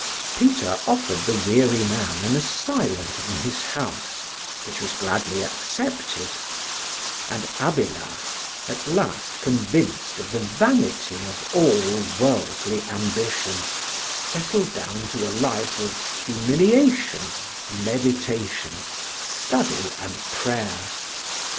Peter offered the weary man an asylum in his house, which was gladly accepted; and Abélard, at last convinced of the vanity of all worldly ambition, settled down to a life of humiliation, meditation, study, and prayer.